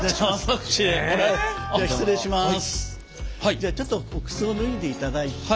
じゃあちょっとお靴を脱いでいただいて。